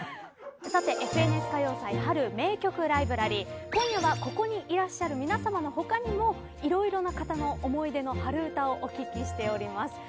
さて『ＦＮＳ歌謡祭春名曲ライブラリー』今夜はここにいらっしゃる皆さまの他にも色々な方の思い出の春うたをお聞きしております。